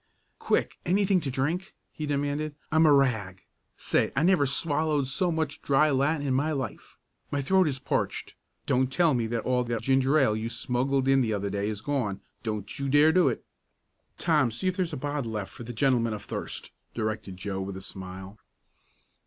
"Quick anything to drink?" he demanded. "I'm a rag! Say, I never swallowed so much dry Latin in my life. My throat is parched. Don't tell me that all that ginger ale you smuggled in the other day is gone don't you dare do it!" "Tom, see if there's a bottle left for the gentleman of thirst," directed Joe with a smile.